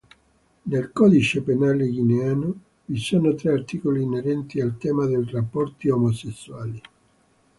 Nel Codice Penale guineano vi sono tre articoli inerenti al tema dei rapporti omosessuali.